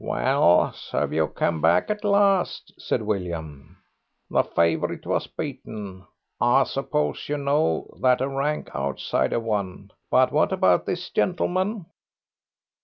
"Well, so you've come back at last," said William. "The favourite was beaten. I suppose you know that a rank outsider won. But what about this gentleman?"